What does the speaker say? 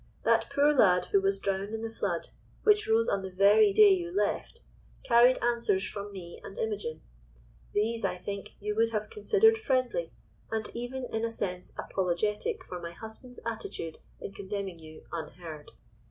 That poor lad who was drowned in the flood, which rose on the very day you left, carried answers from me and Imogen; these, I think, you would have considered friendly, and even in a sense apologetic for my husband's attitude in condemning you unheard.